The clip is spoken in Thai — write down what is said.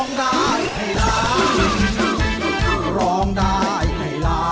คือร้องได้ให้ร้าง